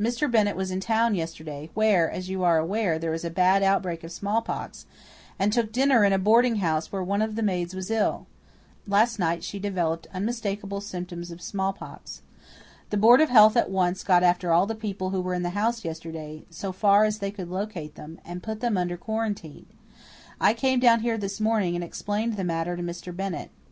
Mr. Bennett was in town yesterday where, as you are aware, there is a bad outbreak of smallpox and took dinner in a boarding house where one of the maids was ill. Last night she developed unmistakable symptoms of smallpox. The Board of Health at once got after all the people who were in the house yesterday, so far as they could locate them, and put them under quarantine. I came down here this morning and explained the matter to Mr. Bennett.